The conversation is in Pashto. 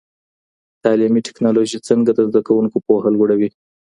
تعلیمي ټکنالوژي څنګه د زده کوونکو پوهه لوړوي؟